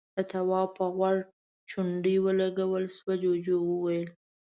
د تواب په غوږ چونډۍ ولګول شوه، جُوجُو وويل: